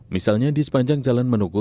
misalnya di sepanjang jalan manugo